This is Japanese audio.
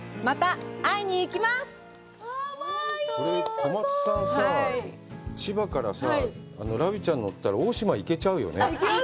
小松さんさ、千葉からさ、ラビーちゃんに乗ったら大島に行けちゃうよね？